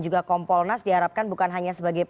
juga kompolnas diharapkan bukan hanya sebagai